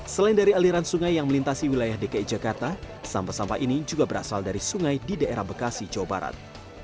selain dari aliran sungai yang melintasi wilayah dki jakarta sampah sampah ini juga berasal dari sungai di daerah bekasi jawa barat